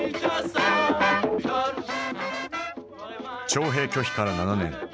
徴兵拒否から７年。